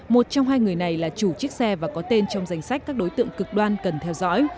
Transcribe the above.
một trong hai người này là chủ chiếc xe và có tên trong danh sách các đối tượng cực đoan cần theo dõi